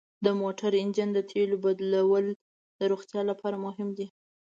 د موټر انجن تیلو بدلول د روغتیا لپاره مهم دي.